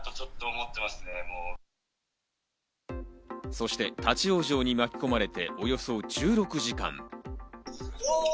そして立ち往生に巻き込まれて、およそ１６時間。